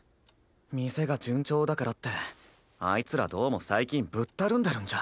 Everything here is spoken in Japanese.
店が順調だからってあいつらどうも最近ぶったるんでるんじゃ。